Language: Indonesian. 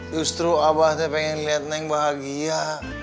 justru abah pengen liat neng bahagia